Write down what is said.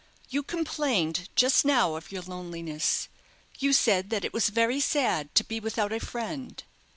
You complained just now of your loneliness. You said that it was very sad to be without a friend.